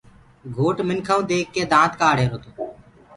گھوٽ منکآئو ديک ڪي دآنت ڪآڙهيرو تو